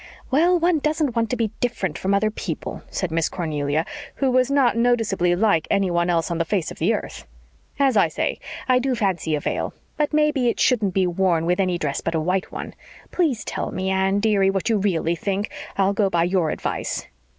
"Well, one doesn't want to be different from other people," said Miss Cornelia, who was not noticeably like anyone else on the face of the earth. "As I say, I do fancy a veil. But maybe it shouldn't be worn with any dress but a white one. Please tell me, Anne, dearie, what you really think. I'll go by your advice."